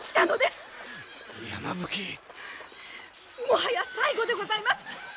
もはや最後でございます。